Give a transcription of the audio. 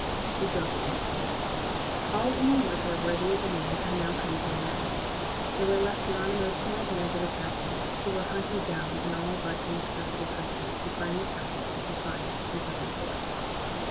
THE "GHOST DANCE WAR" All Indian warfare worthy the name had now come to an end. There were left Geronimo's small bands of Apaches, who were hunted down in an all but inaccessible country and finally captured and confined in Southern forts.